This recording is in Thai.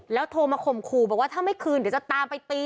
โทรมาข่มขู่บอกว่าถ้าไม่คืนเดี๋ยวจะตามไปตี